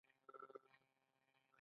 دا علم دی چې له انسان نه فولاد جوړوي.